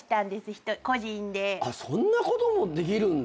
あっそんなこともできるんだ。